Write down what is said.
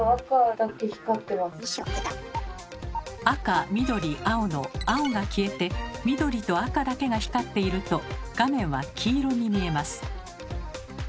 赤緑青の青が消えて緑と赤だけが光っていると画面は黄色に見えます。